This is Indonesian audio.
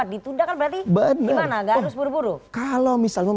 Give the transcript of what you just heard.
ditunda kan berarti gimana gak harus buru buru